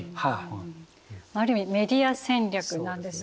ある意味メディア戦略なんですね。